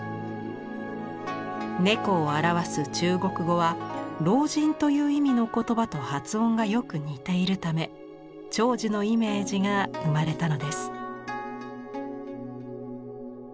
「猫」を表す中国語は「老人」という意味の言葉と発音がよく似ているため長寿のイメージが生まれたのです。